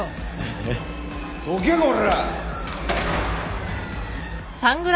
・どけこらぁ！